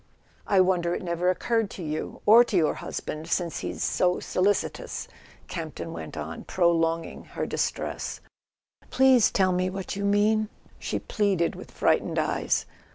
"I wonder it never occurred to you—or to your husband, since he's so solicitous," Campton went on, prolonging her distress. "Please tell me what you mean," she pleaded with frightened eyes.